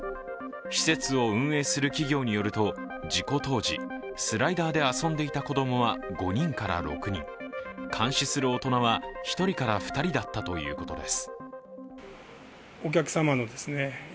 施設を運営する企業によると事故当時スライダーで遊んでいた子供は５人から６人監視する大人は１人から２人だったということです。